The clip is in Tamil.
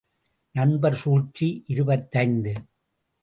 நண்பர் சூழ்ச்சி இருபத்தைந்து.